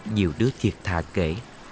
nhiều đứa thiệt thà kể